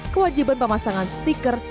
kewajiban pemasangan stiker